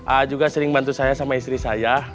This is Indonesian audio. a juga sering bantu saya sama istri saya